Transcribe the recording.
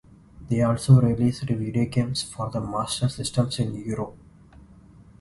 They also released video games for the Master System in Europe.